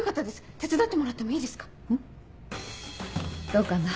どうかな？